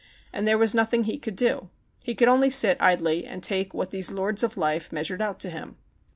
And there was nothing he could do. He could only sit idly and take what these lords of life measured out to him.